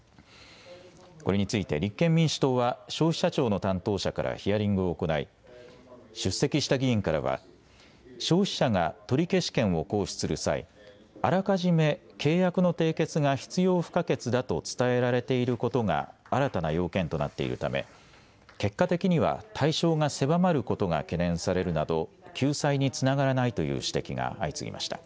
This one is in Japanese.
これについて立憲民主党は消費者庁の担当者からヒアリングを行い出席した議員からは消費者が取消権を行使する際、あらかじめ契約の締結が必要不可欠だと伝えられていることが新たな要件となっているため結果的には対象が狭まることが懸念されるなど救済につながらないという指摘が相次ぎました。